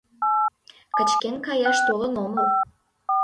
Кычкен каяш толын омыл.